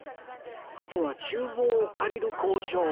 あとは厨房を借りる交渉